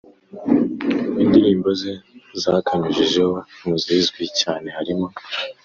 Indirimbo ze zakanyujijeho mu zizwi cyane harimo